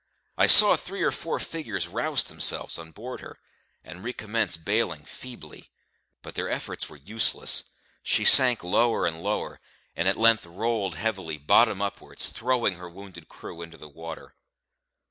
I saw three or four figures rouse themselves on board her, and recommence baling feebly; but their efforts were useless; she sank lower and lower, and at length rolled heavily bottom upwards, throwing her wounded crew into the water.